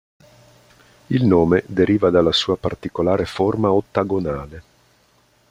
Il nome deriva dalla sua particolare forma ottagonale.